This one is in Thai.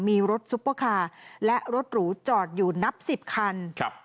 มีรถซุปเปอร์คาร์และรถหรูจอดอยู่นับสิบคันครับ